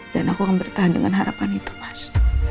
dan aku akan bertahan dengan harapan itu mas